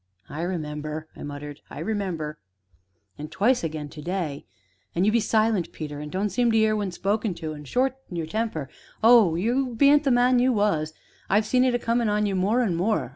"I remember," I muttered; "I remember." "An' twice again to day. An' you be silent, Peter, an' don't seem to 'ear when spoke to, an' short in your temper oh, you bean't the man you was. I've see it a comin' on you more an' more.